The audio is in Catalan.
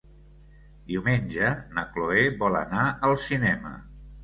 Diumenge na Cloè vol anar al cinema.